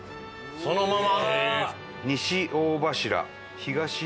そのまま？